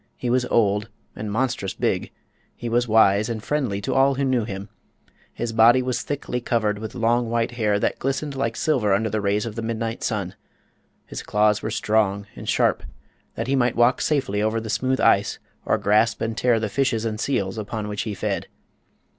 He was old and monstrous big; he was wise and friendly to all who knew him. His body was thickly covered with long, white hair that glistened like silver under the rays of the midnight sun. His claws were strong and sharp, that he might walk safely over the smooth ice or grasp and tear the fishes and seals upon which he fed.